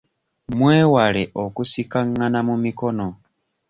Mwewale okusikangana mu mikono.